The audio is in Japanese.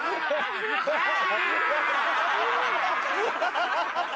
ハハハハ！